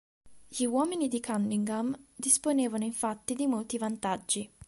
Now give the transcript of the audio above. Gli uomini di Cunningham disponevano infatti di molti vantaggi.